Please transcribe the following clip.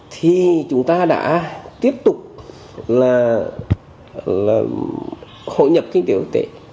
thì chúng ta đã tiếp tục là hội nhập kinh tế quốc tế